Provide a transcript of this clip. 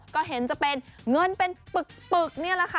ก็เห็นจะเป็นเงินเป็นปึกนี่แหละค่ะ